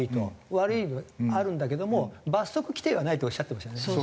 悪いあるんだけども罰則規定はないとおっしゃってましたよね。